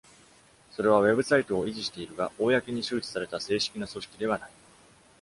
それはウェブサイトを維持しているが、公に周知された正式な組織ではない。